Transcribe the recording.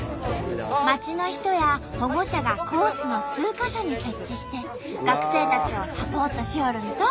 町の人や保護者がコースの数か所に設置して学生たちをサポートしよるんと。